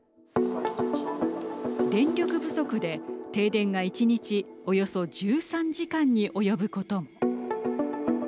電力不足で停電が１日およそ１３時間に及ぶことも。